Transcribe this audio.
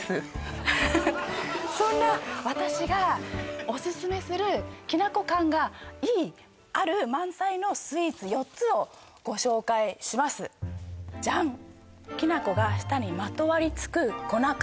そんな私がオススメするきな粉感がいいある満載のスイーツ４つをご紹介しますジャンきな粉が舌にまとわりつく粉感